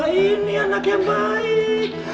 ini anak yang baik